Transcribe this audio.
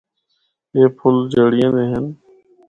اے پھُل جِڑّیاں دے ہن۔